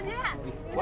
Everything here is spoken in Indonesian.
ini nanas aja